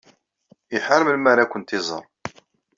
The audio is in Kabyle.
Iḥar melmi ara kent-iẓer.